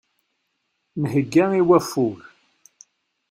Nhegga i waffug.